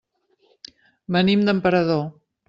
Venim d'Emperador.